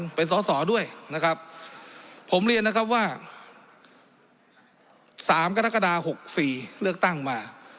เป็นสอสอด้วยนะครับผมเรียนนะครับว่า๓กรกฎา๖๔เลือกตั้งมา